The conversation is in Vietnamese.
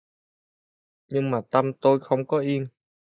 Nhưng mà tâm tôi không có yên